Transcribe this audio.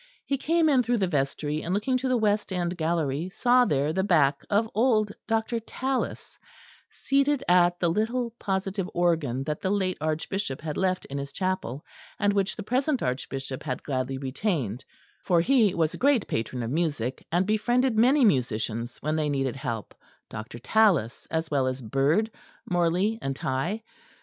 He came in through the vestry, and looking to the west end gallery saw there the back of old Dr. Tallis, seated at the little positive organ that the late Archbishop had left in his chapel, and which the present Archbishop had gladly retained, for he was a great patron of music, and befriended many musicians when they needed help Dr. Tallis, as well as Byrd, Morley and Tye.